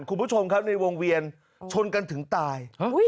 คุณผู้ชมครับในวงเวียนชนกันถึงตาย